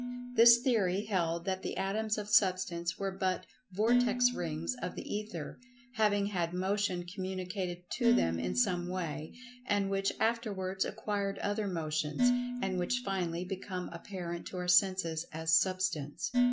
This theory held that the atoms of Substance were but vortex rings of the Ether, having had motion communicated to them in some way, and which afterwards acquired other motions, and which finally become apparent to our senses as Substance.